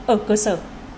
ở cơ sở